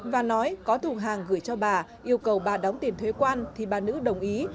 và nói có thùng hàng gửi cho bà yêu cầu bà đóng tiền thuế quan thì bà nữ đồng ý